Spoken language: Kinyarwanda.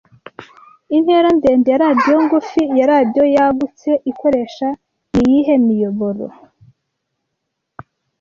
Intera ndende ya radiyo ngufi ya radiyo yagutse ikoresha niyihe miyoboro